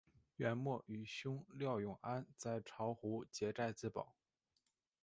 元末与兄廖永安在巢湖结寨自保。